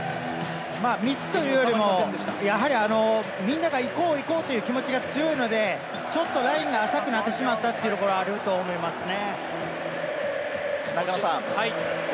ミスというよりもみんなが行こう行こうという気持ちが強いので、ちょっとラインが浅くなってしまったというところはあると思いますね。